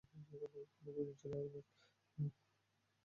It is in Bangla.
কোনো প্রয়োজন ছিলো কি?